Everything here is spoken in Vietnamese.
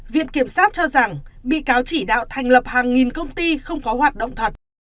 viện kiểm sát cho rằng bị cáo chỉ đạo thành lập hàng nghìn công ty không có hoạt động thật